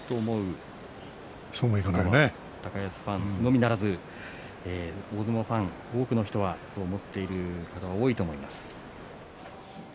高安ファンのみならず大相撲ファン、多くの人はそう思っている方も多いと思います。